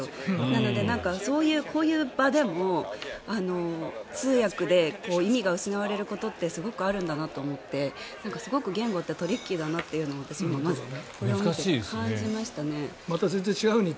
なので、こういう場でも通訳で意味が失われることってすごくあるんだなと思ってすごく言語ってトリッキーだなと私もまずこれを見て感じましたね。